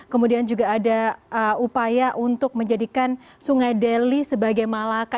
kemudian juga ada upaya untuk menjadikan sungai deli sebagai malaka